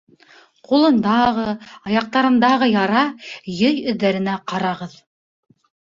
— Ҡулындағы, аяҡтарындағы яра, йөй эҙҙәренә ҡарағыҙ.